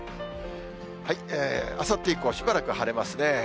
あさって以降は、しばらく晴れますね。